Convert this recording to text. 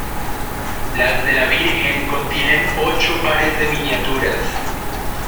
Las de la Virgen contienen ocho pares de miniaturas.